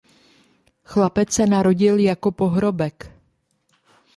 Chlapec se narodil jako pohrobek.